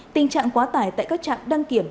tình trạng quá tải tại các trạm đăng kiểm